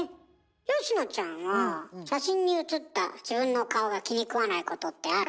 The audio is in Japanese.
佳乃ちゃんは写真にうつった自分の顔が気にくわないことってある？